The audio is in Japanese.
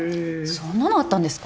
そんなのあったんですか？